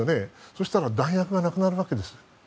そしたら弾薬がなくなるわけです。